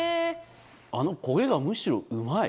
あの焦げがむしろうまい！